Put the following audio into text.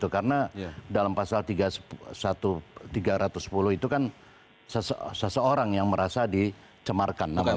karena dalam pasal tiga ratus sepuluh itu kan seseorang yang merasa dicemarkan nama baiknya